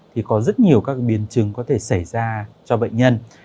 thì có rất nhiều các biến chứng có thể xảy ra cho bệnh nhân